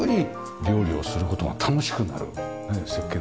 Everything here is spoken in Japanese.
料理をする事が楽しくなる設計になってますよね。